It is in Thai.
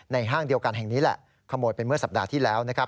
ห้างเดียวกันแห่งนี้แหละขโมยไปเมื่อสัปดาห์ที่แล้วนะครับ